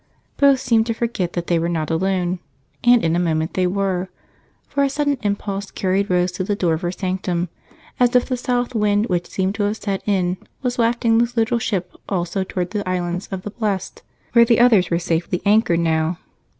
Both seemed to forget that they were not alone, and in a moment they were, for a sudden impulse carried Rose to the door of her sanctum, as if the south wind which seemed to have set in was wafting this little ship also toward the Islands of the Blessed, where the others were safely anchored now.